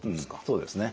そうですね。